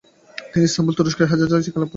তিনি ইস্তানবুল, তুরস্ক ও হেজাজে শিক্ষালাভ করেন।